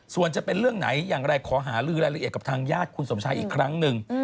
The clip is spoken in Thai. ส่วนจะเป็นเรื่องไหนอย่างไรขอหาลือรายละเอียดกับทางญาติคุณสมชายอีกครั้งหนึ่ง